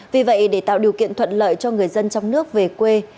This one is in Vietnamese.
vì vậy để tạo điều kiện thuận lợi cho người dân trong nước về quê